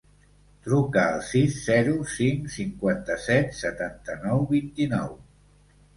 Truca al sis, zero, cinc, cinquanta-set, setanta-nou, vint-i-nou.